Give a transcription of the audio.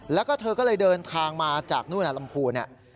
แล้วก็เธอก็เลยเดินทางมาจากนู่นลำพูนเนี่ย